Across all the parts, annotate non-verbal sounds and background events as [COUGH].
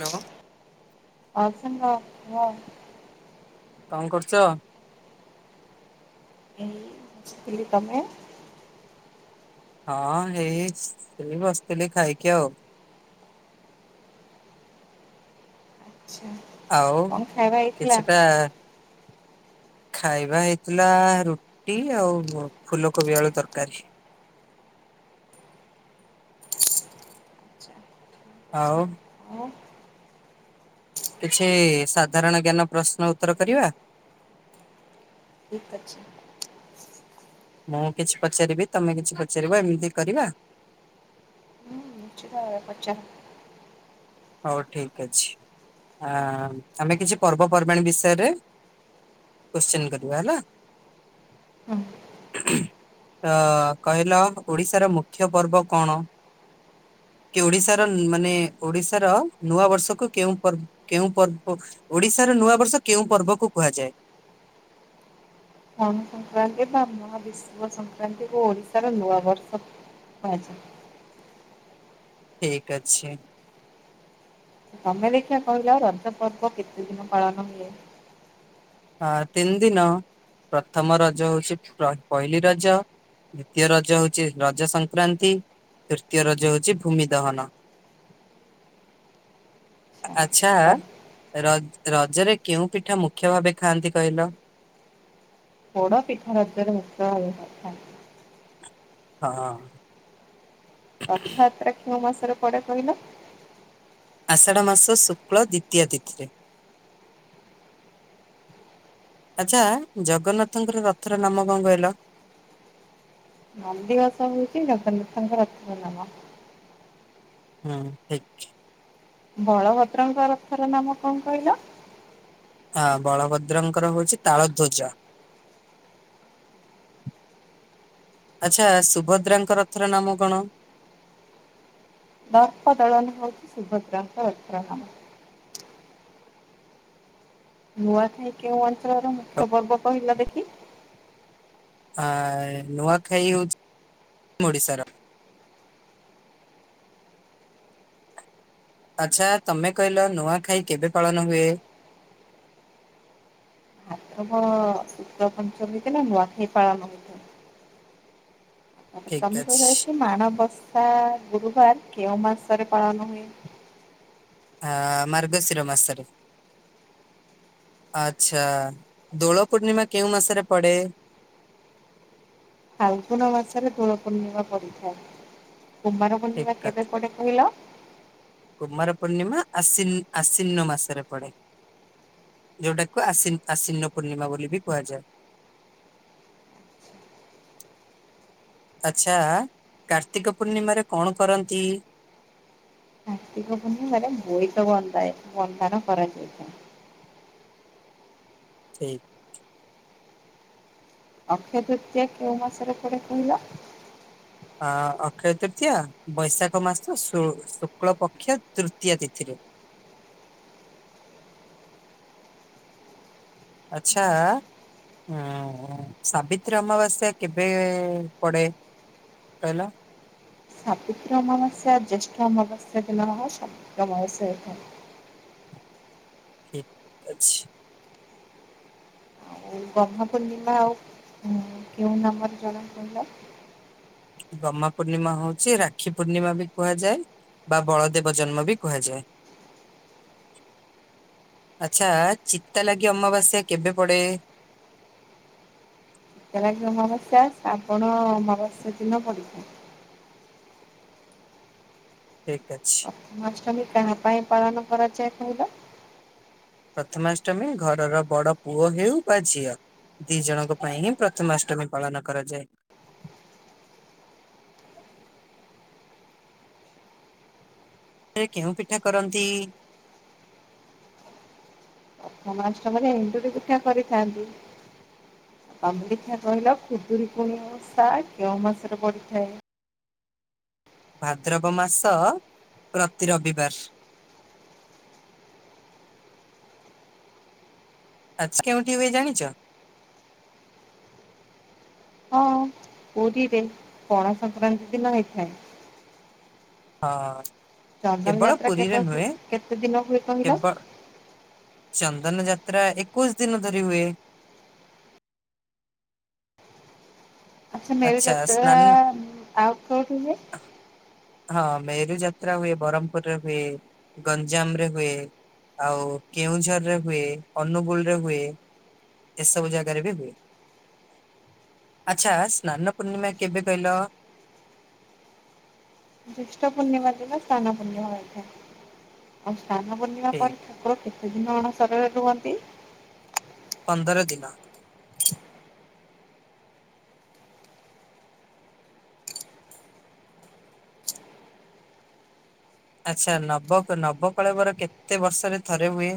Hello ଆଛ ହ [UNINTELLIGIBLE] କଣ କରୁଛ ଏଇ ବସିଥିଲି ତମେ ହଁ ହେଇ ହେଇଚି ଥିଲି ବସିଥିଲି ଖାଇକି ଆଉ। ଆଚ୍ଛା ଆଉ କଣ ଖାଇବା ହେଇଥିଲା? କିଛିଟା ଖାଇବା ହେଇଥିଲା ରୁଟ ଟି ଆଉ ଫୁଲକୋବି ଆଳୁ ତରକାରୀ। ଆଉ ଆଛା ହଉ କିଛି ସାଧାରଣ ଜ୍ଞାନ ପ୍ରଶ୍ନ ଉତ୍ତର କରିବା। ଠିକ୍ ଅଛି ମୁଁ କିଛି ପଚାରିବି ତମେ କିଛି ପଚାରିବ ଏମିତି କରିବା। ନିଶ୍ଚିନ୍ତ ପଚାର। ହଉ ଠିକ ଅଛି ଆ ଆମେ କିଛି ପର୍ବପର୍ବାଣି ବିଷୟରେ କୋଶ୍ଚନ କରିବା ହେଲା। ହୁଁ ଅଁ କହିଲ ଓଡିଶାର ମୁଖ୍ୟ ପର୍ବ କଣ? କି ଓଡିଶାର ଇ ମାନେ ଓଡିଶାର ନୂଆ ବର୍ଷକୁ କେଉଁ ପର୍ବ କେଉଁ ପର୍ବ ପୋକ? ଓଡିଶାର ନୂଆ ବର୍ଷ କେଉଁ ପର୍ବକୁ କୁହାଯାଏ? ଧନୁ ସଂକ୍ରାନ୍ତି ବା ମହାବିଶ୍ୱବ ସଂକ୍ରାନ୍ତିକୁ ଓଡ଼ିଶାର ନୂଆବର୍ଷ। ଆଛା ଠିକ୍ ଅଛି ତମେ ଦେଖିଆ କହିଲ ରଜ ପର୍ବ କେତେ ଦିନ ପାଳନ ହୁଏ? ଆ ତିନି ଦିନ ପ୍ରଥମ ରଜ ହଉଛି ପ୍ର ପହିଲି ରଜ। ଦ୍ଵିତୀୟ ରଜ ହଉଛି ରଜ ସଂକ୍ରାନ୍ତି ତୃତୀୟ ରଜ ହଉଛି ଭୂମି ଦହନ। [INAUDIBLE] ଆଚ୍ଛା ରଜ ରଜରେ କେଉଁ ପିଠା ମୁଖ୍ୟ ଭାବେ ଖାଆନ୍ତି କହିଲ? ପୋଡ ପିଠା ରଜ ରେ ମୁଖ୍ୟ ଭାବରେ କରିଥାନ୍ତି। ହଁ ରଥଯାତ୍ରା କେଉଁ ମାସରେ ପଡେ କହିଲ? ଆଷାଢ ମାସ ଶୁକ୍ଳ ଦ୍ୱିତୀୟା ତିଥିରେ। ଆଚ୍ଛା ଜଗନ୍ନାଥଙ୍କର ରଥର ନାମ କଣ କହିଲ? ନନ୍ଦିଘୋଷ ହଉଛି ଜଗନ୍ନାଥଙ୍କର ରଥ ର ନାମ। ହୁଁ ଠିକ୍ ବଳଭଦ୍ରଙ୍କର ରଥର ନାମ କଣ କହିଲ? ଆ ବଳଭଦ୍ରଙ୍କର ହଉଛି ତାଳ ଧ୍ୱଜ। ଆଛା ସୁଭଦ୍ରାଙ୍କ ରଥର ନାମ କଣ? ଦର୍ପଦଳଣ ହଉଛି ସୁଭଦ୍ରାଙ୍କ ରଥର ନାାମ ନୂଆଖାଇ କେଉଁ ଅଞ୍ଚଳର ମୁଖ୍ୟ ପର୍ବ କହିଲା ଦେଖି? ଆ ନୁଆଖାଇ ହେଉଛି ଓଡ଼ିଶାର ଆଚ୍ଛା ତମେ କହିଲ ନୂଆଖାଇ କେବେ ପାଳନ ହୁଏ? ଭାତ୍ରବ ଶତ ପଞ୍ଚମୀ କେ ନା ନୂଆଖାଇ ପାଳନ ହୁଏ। ଆ ଠିକ ତମେ ଅଛି କହିବା କି ମାଣବସା ଗୁରୁବାର କେଉଁ ମାସରେ ପାଳନ ହୁଏ? ହ ମର୍ଗଶିର ମାସରେ ଆଚ୍ଛା ଦୋଳ ପୂର୍ଣ୍ଣିମା କେଉଁ ମାସରେ ପଡ଼େ? ଫାଲଗୁନ ମାସରେ ଦୋଳ ପୂର୍ଣ୍ଣିମା ପଡିଥାଏ କୁମାର ଠିକ ପୂର୍ଣ୍ଣିମା କଥା କେବେ ପଡେ କହିଲ? କୁମାର ପୂର୍ଣ୍ଣିମା ଆଶି ଆଶ୍ଵିନ ମାସରେ ପଡେ। ଯୋଉଟାକୁ ଆସି ଆଶିନ ପୂର୍ଣ୍ଣିମା ବୋଲି ବି କୁହାଯାଏ। ଆଛା କାର୍ତ୍ତିକ ପୂର୍ଣ୍ଣିମାରେ କଣ କରନ୍ତି? କାର୍ତ୍ତିକ ପୂର୍ଣ୍ଣିମାରେ ବୋଇତ ବନ୍ଦାଏ ବନ୍ଦାଣ କରାଯାଇଥାଏ। ଠିକ୍। ଅକ୍ଷୟ ତୃତୀୟ କେଉଁ ମାସରେ ପରେ କହିଲ? ଅ ଅକ୍ଷୟ ତୃତୀୟା ବୈଶାଖ ମାସ ଶ ଶୁକ୍ଳ ପକ୍ଷ ତୃତୀୟ ତିଥିରେ। ଆଛା। ହୁଁ ସାବିତ୍ରୀ ଅମାବାସ୍ୟା କେବେ ପଡେ? ପହିଲ [UNINTELLIGIBLE] ସ୍ୱବିତ୍ରୀ ଅମାବାସ୍ୟା ଜ୍ୟେଷ୍ଠ ଅମାବାସ୍ୟା ଦିନ ହେ ସାବିତ୍ର ଅମାବାସ୍ୟା ଏଇ ଦିନ ଠିକ୍ ଅଛି। ଆ ବ୍ରହ୍ମ ପୂର୍ଣ୍ଣିମା ଆଉ କେଉଁ ନାମର ଜଣା କହିଲ? ଗମା ପୂର୍ଣ୍ଣିମା ହଉଛି ରାକ୍ଷୀ ପୂର୍ଣ୍ଣିମା ବି କୁହାଯାଏ। ବା ବଳଦେବ ଜନ୍ମ ବି କୁହାଯାଏ। ଆଚ୍ଛା ଚିତା ଲାଗି ଅମାବାସ୍ୟା କେବେ ପଡେ? ଜଲାକ ଅମାବସ୍ୟା ଶ୍ରାବଣ ଅମାବାସ୍ୟା ଦିନ ପଡିଥାଏ। ଠିକ୍ ଅଛି। ଜନ୍ମାଷ୍ଟମୀ କାହା ପାଇଁ ପାଳନ କରା ଯାଏ କହିଲ? ପ୍ରଥମାଷ୍ଟମୀ ଘରର ବଡ ପୁଅ ହେଉ ବା ଝିଅ ଦି ଜଣଙ୍କ ପାଇଁ ହିଁ ପ୍ରଥମାଷ୍ଟମୀ ପାଳନ କରାଯାଏ। ରେ କେଉଁ ପିଠା କରନ୍ତି? ଜନ୍ମାଷ୍ଟମୀରେ ଏନ୍ଣୁରୀ ପିଠା କରିଥାନ୍ତି। ତମଦେଖା କହିଲ ଖୁଦୁୁରୀ କୁଣି ଓସା କେଉଁ ମାସରେ ପଡ଼ିଥାଏ? ଭାଦ୍ରବ ମାସ ପ୍ରତି ରବିବାର ଆଚ କେଉଁଠି‌ ହୁଏ ଜାଣିଛ? ହଁ ପୁରୀରେ ପଣା ସଂଂକ୍ରାନ୍ତି ଦିନ ହେଇଥାଏ। ହଁ। ଚନ୍ଦନ କେବଳ ଯାତ୍ରା କେ ପୁରୀରେ ନୁହେଁ କେତେ ଦିନ ଭଳି କହିଲ? କେବ ଚନ୍ଦନ ଯାତ୍ରା ଏକୋଇଶି ଦିନ ଧରି ହୁଏ। ଆଚଛା ମେରୁ ଆଚ୍ଛା ଯାତ୍ରା ସ୍ନାନ ଆଉ କୋଉଠିଁ ହୁଏ? ହଁ ମେରୁ ଯାତ୍ରା ହୁଏ ବ୍ରହ୍ମପୁରରେ ହୁଏ ଗଞ୍ଜାମ ରେ ହୁଏ ଆଉ କେଉଁଝର ରେ ହୁଏ ଅନୁଗୁଳ ରେ ହୁଏ ଏସବୁ ଜାଗାରେ ବି ହୁଏ ଆଚ୍ଛା ସ୍ନାନ ପୂର୍ଣ୍ଣିମା କେବେ କହିଲ? ଜ୍ୟେଷ୍ଠ ପୂର୍ଣ୍ଣିମା ଦିନ ସ୍ନାନ ପୂର୍ଣ୍ଣିମା ହୋଇଥାଏ ଆଉ ସ୍ନାନ ପୂର୍ଣ୍ଣିମା ଠିକ କରିଥାଏ‌ ଆ କେତେ ଦିନ ଅଣସରରେ ରୁହନ୍ତି ପନ୍ଦର ଦିନ ଆଚ୍ଛା। ନବ ନବକଳବର କେତେ ବର୍ଷରେ ଥରେ ହୁଏ?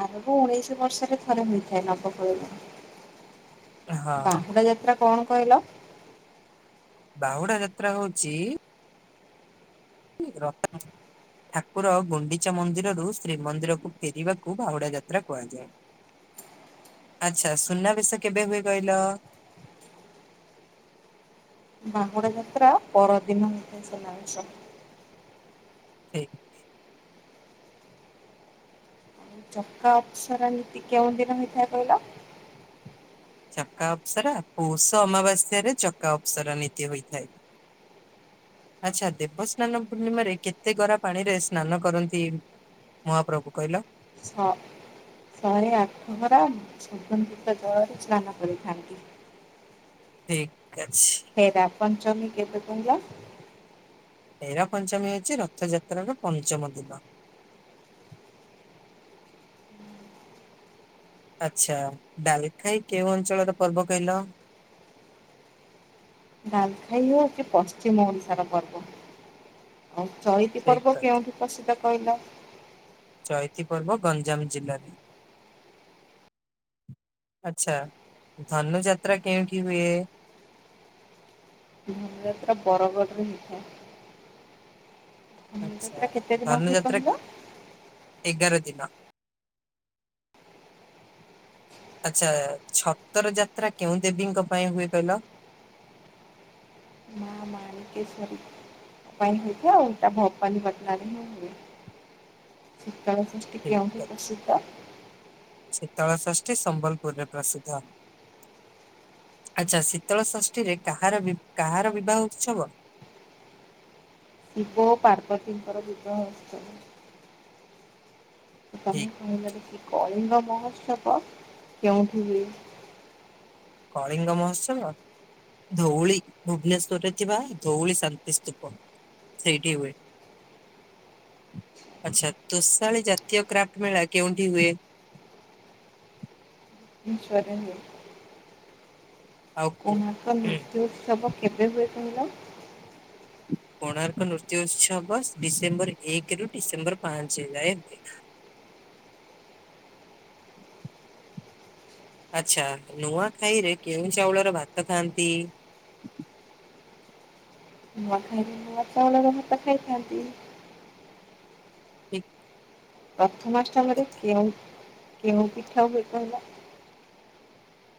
ଆରବ ଉଣେଇଶି ବର୍ଷରେ ଥରେ ହୋଇଥାଏ ନବ ପରଣ ହଁ। ବାହୁଡା ଯାତ୍ରା କଣ କହିଲ? ବାହୁଡା ଯାତ୍ରା ହଉଚି ରଖ ଠାକୁର ଗୁଣ୍ଡିଚା ମନ୍ଦିରରୁ ଶ୍ରୀମନ୍ଦିରକୁ ଫେରିବାକୁ ବାହୁଡ଼ା ଯାତ୍ରା କୁହାଯାଏ। ଆଚ୍ଛା। ସୁନାବେେଶ କେବେ ହୁଏ କଇଲ? ବାହୁଡ଼ା ଯାତ୍ରା ପର ଦିନ ହୁଏ ସୁନାବେଶ। ଏ ଚକା ଅପସର ନୀତି କେଉଁ ଦିନ ହେଇଥାଏ କହିଲ? ଚକା ଅପସରା ପୌଷ ଅମାବାସ୍ୟରେ ଚକା ଅପସରା ନୀତି ହୋଇଥାଏ। ଆଚ୍ଛା ଦେବସ୍ନାନ ପୂର୍ଣ୍ଣିମାରେ କେତେ ଗରା ପାଣି ରେ ସ୍ନାନ କରନ୍ତି? ମହାପ୍ରଭୁ କଇଲ ଛଅ ଶହେ ଆଠଗରା ସୁଗନ୍ଧିତ ଜଳରେ ସ୍ନାନ କରିଥାନ୍ତି। ଠିକ ଅଛି। ଫେରା ପଞ୍ଚମୀ କେବେ କହିଲ? ହେରା ପଞ୍ଚମୀ ଅଛି ରଥଯାତ୍ରାର ପଞ୍ଚମ ଦିନ। ଆଚ୍ଛା ଡାଲଖାଇ କେଉଁ ଅଞ୍ଚଳର ପର୍ବ କହିଲ? ଡାଲ ଖାଇ ହେଉଚି ପଶ୍ଚିମ ଓଡ଼ିଶାର ପର୍ବ। ଆଉ ଚଇତି ଠିକ ପର୍ବ କଥା କେଉଠି ପ୍ରସିଦ୍ଧ କହିଲ? ଚଇତି ପର୍ବ ଗଞ୍ଜାମ ଜିଲ୍ଲାରେ ଆଚ୍ଛା। ଧନୁ ଯାତ୍ରା କେଉଁଠି ହୁଏ? ଧନୁଯାତ୍ରା ବରଗଡ଼ରେ ହେଇଥାଏ। ଆଚ୍ଛା ଧନୁଯାତ୍ରା କେତେ ଦିନ ଧନୁ ହୁଏ ଯାତ୍ରା କହିଲ? ଏଗାର ଦିନ। ଆଚ୍ଛା ଛତର ଯାତ୍ରା କେଉଁ ଦେବୀଙ୍କ ପାଇଁ ହୁଏ କହିଲ? ମା ମାଣିକେଶ୍ଵରି। ହେଇଥିଲା ଆଉଲ ତା ଭବାନିପାଟନାରେ ହିଁ ହୁଏ। ଶୀତଳ ଷଷ୍ଠୀ କେଉଠି ପ୍ରସିଦ୍ଧ? ଶୀତଳଷଷ୍ଠୀ ସମ୍ବଲପୁରରେ ପ୍ରସିଦ୍ଧ। ଆଚ୍ଛା। ଶୀତଳ ଷଷ୍ଠୀରେ କାହାର କାହାର ବିବାହ ଉତ୍ସବ? ଶିବ ଓ ପାର୍ବତୀଙ୍କର ବିବାହ ଉତ୍ସବ। ତମେ ଠିକ୍ କହିଲ ଦେଖି କଳିଙ୍ଗ ମହୋତ୍ସବ କେଉଁଠି ହୁଏ? କଳିଙ୍ଗ ମହୋତ୍ସବ! ଧୋଉଳି। ଭୁବନେଶ୍ଵରରେ ଥିବା ଧୋଉଳି ଶାନ୍ତିସ୍ତୁପ। ସେଇଠି ହୁଏ। ଆଛା ତୋଷାଳୀ ଜାତୀୟ କ୍ରାଫ୍ଟ ମେଳା କେଉଠି ହୁଏ? ଇଶର [INAUDIBLE] ଆଉ କୋ- କୁମଙ୍କ ଉଁ, ନୃତ୍ୟୁ ଉତ୍ସବ କେବେ ହୁଏ କହିଲ? କୋଣାର୍କ ନୃତ୍ୟ ଉତ୍ସବ ଡିସେମ୍ବର ଏକେରୁ ଡିସେମ୍ବର ପାଞ୍ଚେ ଯାଏ ହୁଏ। ଆଚ୍ଛା। ନୂଆଖାଇରେ କେଉଁ ଚାଉଳର ଭାତ ଖାଆନ୍ତି? ନୂଆଖାଇରେ ନୂଆ ଚାଉଳର ଭାତ ଖାଇଥାନ୍ତି। ଠିକ ପ୍ରଥମାଷ୍ଟମରେ କେଉଁ କେଉଁ ପିଠା ହୁଏ କହିଲ?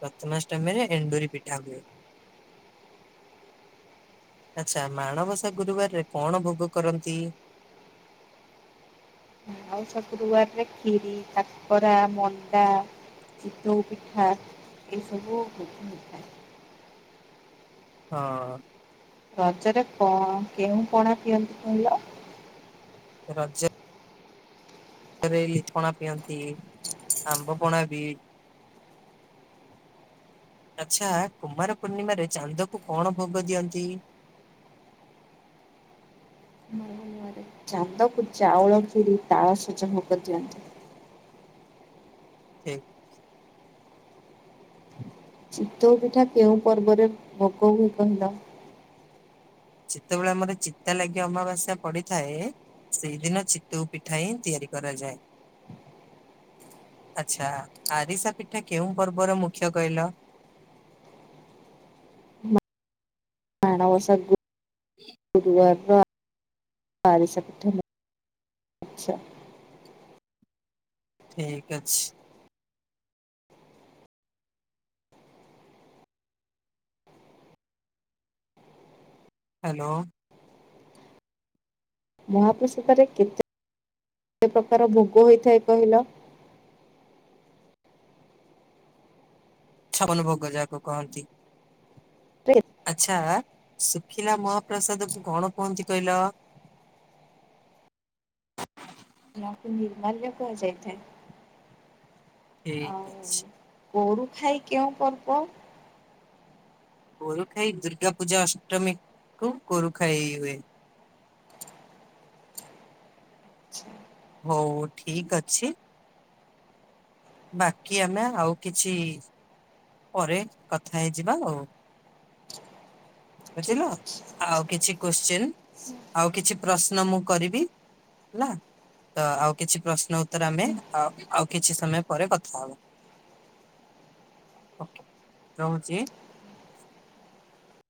ପ୍ରଥମାଷ୍ଟମୀରେ ଏଣ୍ଡୁରି ପିଠା ହୁଏ। ଆଛା ମାଣବସା ଗୁରୁବାରରେ କଣ ଭୋଗ କରନ୍ତି? ଆଉ ଶୁକ୍ରୁବାରରେ କ୍ଷୀରି କାକରା ମଣ୍ଡା ଚିତଉ ପିଠା ଏଇ ସବୁ ହେଇଥାଏ ହଁ ରଜରେ କଣ କେଉଁ ପଣା ପିଅନ୍ତି କହିଲ? ରଜ ରେ ଲିଚ ପଣା ପିଅନ୍ତି ଆମ୍ବ ପଣା ବି ଆଚ୍ଛା କୁମାର ପୂର୍ଣ୍ଣିମାରେ ଚାନ୍ଦକୁ କଣ ଭୋଗ ଦିଅନ୍ତି? ମର ଭନ୍ୟବାଦରେ [INAUDIBLE] ଚାନ୍ଦକୁ ଚାଉଳ କ୍ଷୀରି ତାଳ ସଜ ଭୋଗ ଦିଅନ୍ତି। ଠିକ [INAUDIBLE] ଚିତଉ ପିଠା କେଉଁ ପର୍ବରେ ଭୋଗ ହୁଏ କହିଲ? ଯେତେବେଳେ ଆମର ଚିତା ଲାଗି ଅମାବାସ୍ୟା ପଡିିଥାଏ। ସେଇଦିନ ଚିତଉ ପିଠା ହିଁ ତିଆରି କରାଯାଏ। ଆଚ୍ଛା ଆରିସା ପିଠା କେଉଁ ପର୍ବର ମୁଖ୍ୟ କହିଲ? ମାଣବସା ଗୁରୁବାର ବାରି [INAUDIBLE] ଠିକ ଅଛି। ହ୍ୟାଲୋ ମହାପ୍ରସାଦରେ କେତେ ପ୍ରକାର ଭୋଗ ହୋଇଥାଏ କହିଲ? ଛପନ ଭୋଗ ଯାହାକୁ କହନ୍ତି। ଆଚ୍ଛା ଶୁଖିଲା ମହାପ୍ରସାଦକୁ କଣ କୁହନ୍ତି କହିଲ? ତାହାକୁ ନିର୍ମାଲ୍ୟ କୁହାଯାଇଥାଏ। ଆଉ ଠିକ୍ ଅଛି ଗୋରୁ ଖାଇ କେଉଁ ପର୍ବ? ଗୋରୁ ଖାଇ ଦୁର୍ଗା ପୂଜା ଅଷ୍ଟମୀ କୁ ଗୋରୁ ଖାଇ ହୁଏ। [INAUDIBLE] [INAUDIBLE] ହଉ ଠିକ୍ ଅଛି। ବାକି ଆମେ ଆଉ କିଛି ପରେ କଥା ହେଇଯିବା ଆଉ। ବୁଝିଲ। ଠିକ ଅଛି। ଆଉ କିଛି କୋଶ୍ଚିନ ଆଉ କିଛି ପ୍ରଶ୍ନ ମୁଁ କରିବି ହେଲା ତ ଆଉ କିଛି ପ୍ରଶ୍ନ ଉତ୍ତର ଆମେ ଆ ଆଉ କିଛି ସମୟ ପରେ କଥା ହେବା ଓକେ ରହୁଚି।